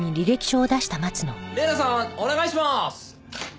レイナさんお願いします！